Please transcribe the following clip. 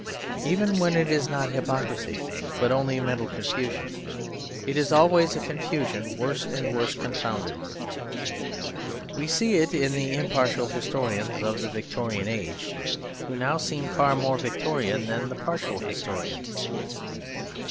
Even when it is not hypocrisy but only mental confusion, it is always a confusion worse and worse confounded. We see it in the impartial historians of the Victorian Age, who now seem far more Victorian than the partial historians.